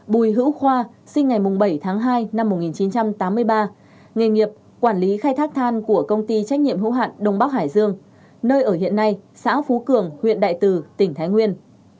bùi hữu khoa sinh ngày bảy tháng hai năm một nghìn chín trăm tám mươi ba nghề nghiệp quản lý khai thác than của công ty trách nhiệm hữu hạn đông bắc hải dương nơi ở hiện nay xã phú cường huyện đại từ tỉnh thái nguyên